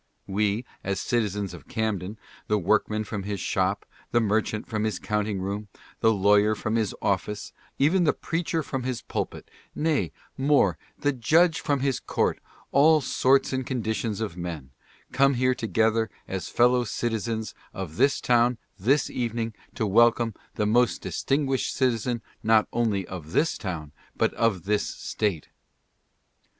We, as citizens of Camden, the workman from his shop, the merchant from his counting room, the lawyer from his office, even the preacher from his pul pit — nay, more, the judge from his court — all sorts and condi tions of men — come here together as fellow citizens of this town this evening to welcome the most distinguished citizen not only of this town, but of this State.